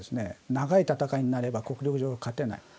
長い戦いになれば国力上勝てない。